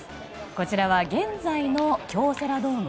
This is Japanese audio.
こちらは現在の京セラドーム